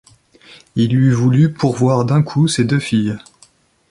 Il eût voulu pourvoir d’un coup ses deux filles.